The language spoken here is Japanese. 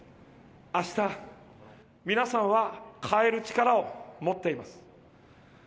あした、皆さんは変える力を持っています。